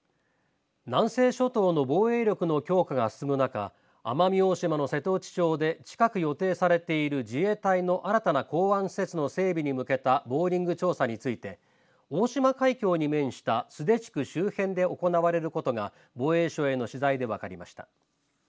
南西諸島の防衛力の強化が進む中奄美大島の瀬戸内町で近く予定されている自衛隊の新たな港湾施設の整備に向けたボーリング調査について大島海峡に面した須手地区周辺で行われることが防衛省への取材で分かりました。